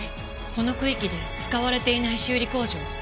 この区域で使われていない修理工場。